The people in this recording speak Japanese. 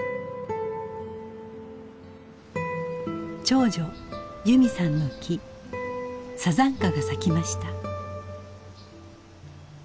長女由美さんの木山茶花が咲きました。